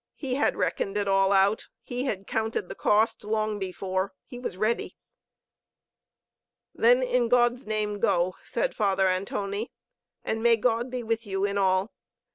He had reckoned it all out, he had "counted the cost" long before, he was ready. Then, in God's name, go! " said Father Antonie "And may God be with you in all.